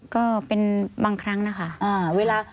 ก็เป็นบางครั้งนะคะ